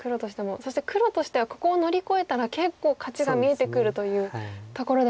そして黒としてはここを乗り越えたら結構勝ちが見えてくるというところでもあるんですよね。